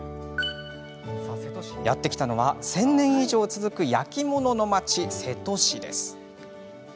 やって来たのは１０００年以上続く焼き物の町瀬戸市。